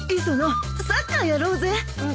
磯野サッカーやろうぜ。